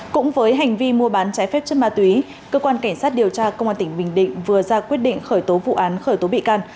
cũng với hành vi mua bán trái phép chất ma túy cơ quan cảnh sát điều tra công an tỉnh bình định vừa ra quyết định khởi tố vụ án khởi tố bị can